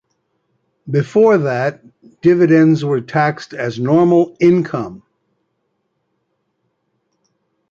Before that, dividends were taxed as normal income.